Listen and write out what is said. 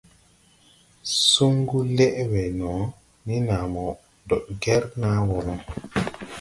Suŋgu lɛʼ we no ni naa mo dɔɗ gɛr naa wɔ no.